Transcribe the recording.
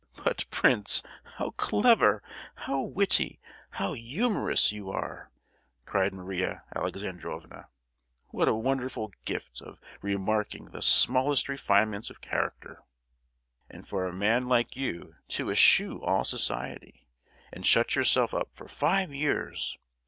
"But, prince, how clever, how witty, how humorous you are!" cried Maria Alexandrovna. "What a wonderful gilt of remarking the smallest refinements of character. And for a man like you to eschew all society, and shut yourself up for five years!